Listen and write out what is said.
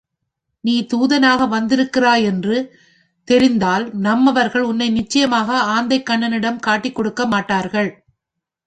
நீ தூதனாக வந்திருக்கிறாய் என்று தெரிந்தால் நம்மவர்கள் உன்னை நிச்சயமாக ஆந்தைக்கண்ணனிடம் காட்டிக் கொடுக்க மாட்டார்கள்.